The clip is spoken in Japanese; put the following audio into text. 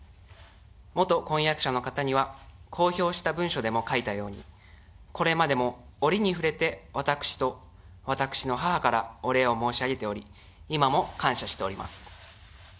元婚約者の方には、公表した文書でも書いたように、これまでも折に触れて、私と私の母からお礼を申し上げており、今も感謝しております。